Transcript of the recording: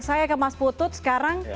saya ke mas putut sekarang